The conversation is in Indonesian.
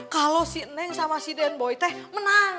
kalau si neng sama si den boy teh menang